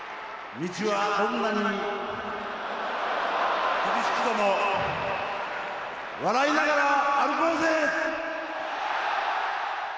道はどんなに厳しくとも笑いながら歩こうぜ！